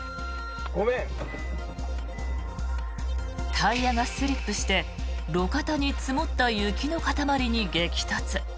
タイヤがスリップして路肩に積もった雪の塊に激突。